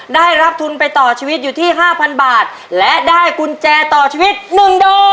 ได้รับทุนไปต่อชีวิตอยู่ที่ห้าพันบาทและได้กุญแจต่อชีวิต๑ดอก